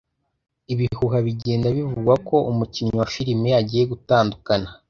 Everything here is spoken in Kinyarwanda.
ibihuha bigenda bivugwa ko umukinnyi wa filime agiye gutandukana